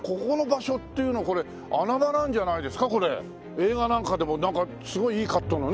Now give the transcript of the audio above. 映画なんかでもなんかすごいいいカットがね。